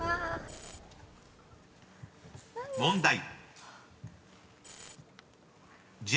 ［問題］